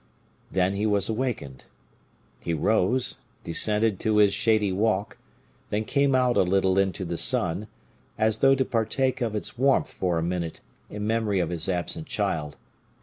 Then he was awakened. He rose, descended to his shady walk, then came out a little into the sun, as though to partake of its warmth for a minute in memory of his absent child.